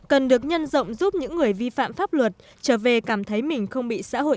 cần được nhân rộng giúp những người vi phạm pháp luật trở về cảm thấy mình không bị xã hội